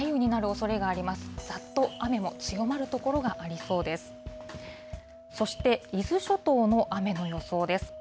そして伊豆諸島の雨の予想です。